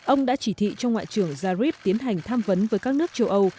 ông đã chỉ thị cho ngoại trưởng zarif tiến hành tham vấn với các nước châu âu